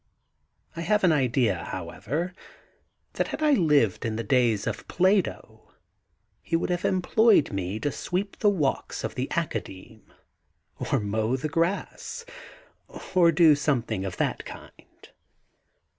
I have an idea, however, that had I lived in the days of Plato, he would have employed me to sweep the walks of the Academe, or mow the grass, or do something of that kind.